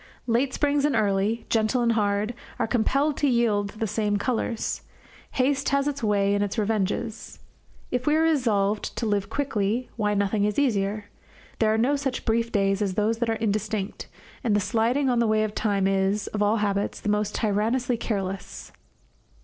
Late springs and early, gentle and hard, are compelled to yield the same colours; haste has its way and its revenges. If we are resolved to live quickly, why, nothing is easier. There are no such brief days as those that are indistinct; and the sliding on the way of time is, of all habits, the most tyrannously careless.